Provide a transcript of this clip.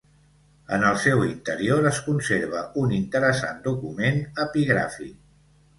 En el seu interior es conserva un interessant document epigràfic.